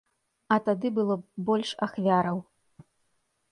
А тады было б больш ахвяраў.